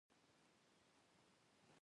د پښتو ژبې ښکلاوې او ځانګړتیاوې